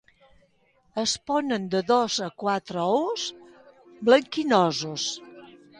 Es ponen de dos a quatre ous blanquinosos.